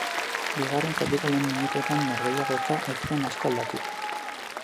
Bigarren zatiko lehen minutuetan norgehiagoka ez zen asko aldatu.